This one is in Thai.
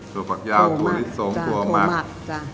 ตัวฝักยาวตัวลิสงตัวหมัก